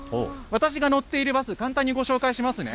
私が乗っているバス、簡単にご紹介しますね。